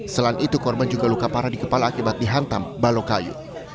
selain itu korban juga luka parah di kepala akibat dihantam balok kayu